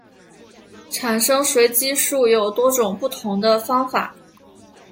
产生随机数有多种不同的方法。